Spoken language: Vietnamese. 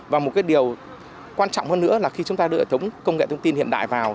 và một điều quan trọng hơn nữa là khi chúng ta đưa hệ thống công nghệ thông tin hiện đại vào